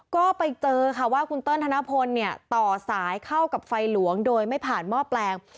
ก็ไปเจอค่ะว่าคุณเติ้ลธนพลเนี่ยต่อสายเข้ากับไฟหลวงโดยไม่ผ่านหม้อแปลง